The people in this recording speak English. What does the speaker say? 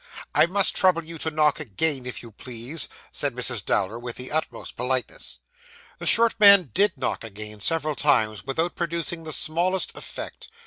'I must trouble you to knock again, if you please,' said Mrs. Dowler, with the utmost politeness. The short man did knock again several times, without producing the smallest effect.